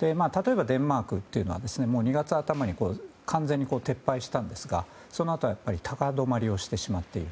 例えばデンマークというのは２月頭に完全に撤廃したんですがそのあとは、やはり高止まりをしてしまっている。